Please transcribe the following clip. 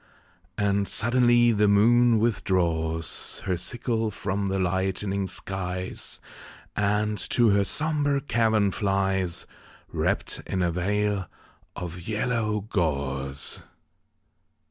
And suddenly the moon withdraws Her sickle from the lightening skies, And to her sombre cavern flies, Wrapped in a veil of yellow gauze.